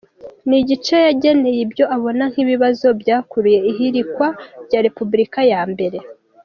Ni igice yageneye ibyo abona nk’ibibazo byakuruye ihirikwa rya Repubulika ya mbere.